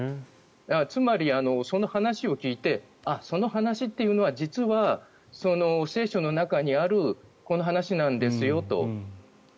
つまり、その話を聞いてその話というのは実は聖書の中にあるこの話なんですよと。